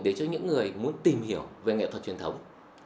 để cho những người muốn tìm hiểu về nghệ thuật truyền thống